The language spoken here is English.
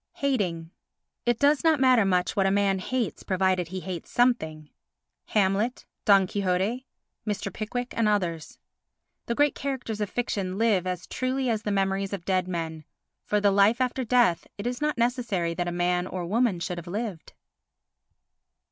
Hating It does not matter much what a man hates provided he hates something. Hamlet, Don Quixote, Mr. Pickwick and others The great characters of fiction live as truly as the memories of dead men. For the life after death it is not necessary that a man or woman should have lived.